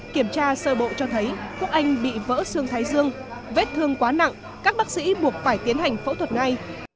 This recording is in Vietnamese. kiểm tra sơ bộ cho thấy quốc anh bị vỡ xương thái dương vết thương quá nặng các bác sĩ buộc phải tiến hành phẫu thuật ngay